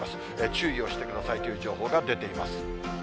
注意をしてくださいという情報が出ています。